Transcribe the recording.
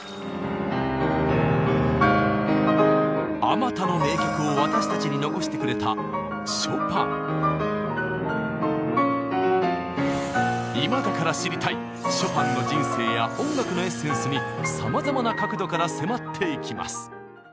あまたの名曲を私たちに残してくれた今だから知りたいショパンの人生や音楽のエッセンスにさまざまな角度から迫っていきます。